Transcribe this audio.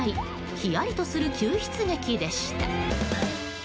ひやりとする救出劇でした。